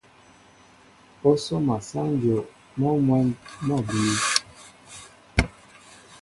Ó sóma sáŋ dyów, mɔ́ mwɛ̌n mɔ́ a bíy.